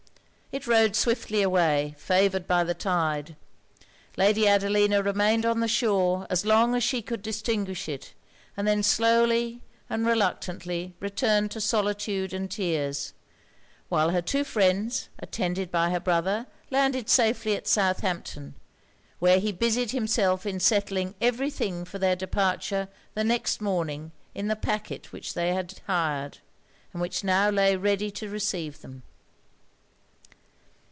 It rowed swiftly away; favoured by the tide. Lady Adelina remained on the shore as long as she could distinguish it; and then slowly and reluctantly returned to solitude and tears: while her two friends, attended by her brother, landed safely at Southampton, where he busied himself in settling every thing for their departure the next morning in the pacquet which they had hired, and which now lay ready to receive them.